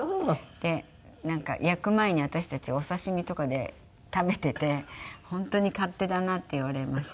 でなんか焼く前に私たちお刺し身とかで食べていて本当に勝手だなって言われました。